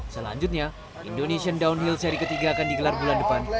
selanjutnya indonesian downhill seri ketiga akan digelar bulan depan